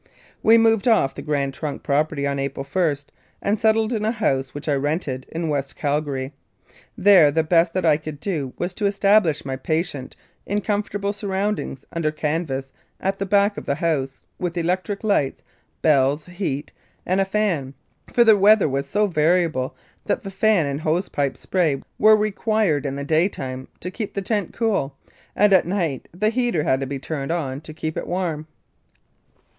We moved off the Grand Trunk property on April i, and settled in a house which I rented in West Calgary. There the best that I could do was to establish my patient in comfortable surroundings under canvas at the back of the house, with electric light, bells, heat and fan, for the weather was so variable that the fan and hose pipe spray were required in the daytime to keep the tent cool, and at night the heater had to be turned on to keep it warm.